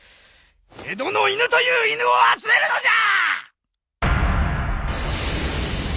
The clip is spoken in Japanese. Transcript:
江戸の犬という犬を集めるのじゃ！